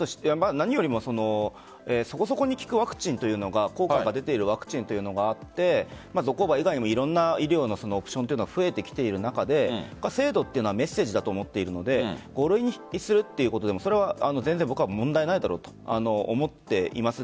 何よりもそこそこに効くワクチン効果が出ているワクチンがあってゾコーバ以外にもいろんな医療のオプションが増えてきている中で制度というのはメッセージだと思っているので５類にするということでもそれは全然問題ないだろうと思っています。